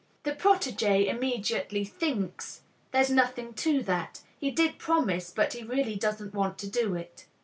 The protegé immediately thinks: "There's nothing to that; he did promise but he really doesn't want to do it."